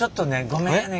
ごめんね。